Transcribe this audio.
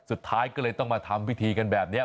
สุดท้ายก็เลยต้องมาทำพิธีกันแบบนี้